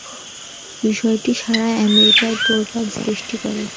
বিষয়টি সারা আমেরিকায় তোলপাড় সৃষ্টি করে।